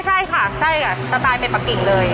ใช่ค่ะสไตล์เป็นปั๊กกิ่งเลย